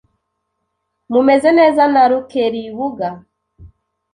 Mumeze neza na Rukeribuga?